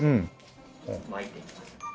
巻いていきます。